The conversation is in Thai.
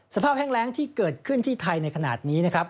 แห้งแรงที่เกิดขึ้นที่ไทยในขณะนี้นะครับ